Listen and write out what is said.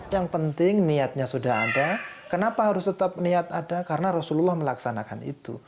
yang penting niatnya sudah ada kenapa harus tetap niat ada karena rasulullah melaksanakan itu